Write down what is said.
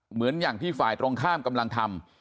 เหมือนอย่างที่ฝ่ายตรงข้ามกำลังทำ